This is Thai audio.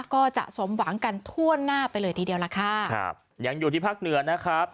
ก็จะสมหวังกันทั่วหน้าไปเลยทีเดียวล่ะค่ะครับยังอยู่ที่ภาคเหนือนะครับ